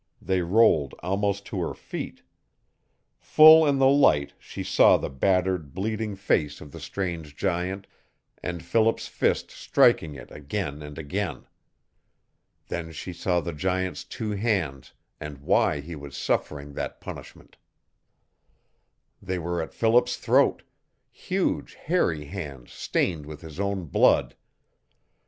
They rolled almost to her feet. Full in the light she saw the battered, bleeding face of the strange giant, and Philip's fist striking it again and again. Then she saw the giant's two hands, and why he was suffering that punishment. They were at Philip's throat huge hairy hands stained with his own blood.